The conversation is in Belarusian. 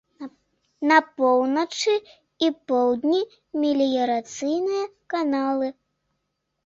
На поўначы і поўдні меліярацыйныя каналы.